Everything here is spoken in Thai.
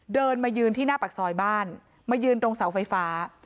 เดินมายืนที่หน้าปากซอยบ้านมายืนตรงเสาไฟฟ้า